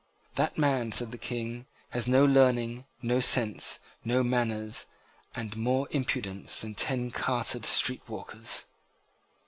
"That man," said the King, "has no learning, no sense, no manners, and more impudence than ten carted street walkers."